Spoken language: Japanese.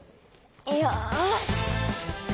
よし！